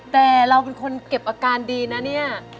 แต่เราเป็นคนเก็บอาการดีนะเนี่ย